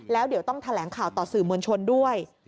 แล้วเดี๋ยวต้องแถลงข่าวต่อสื่อมวลชนด้วย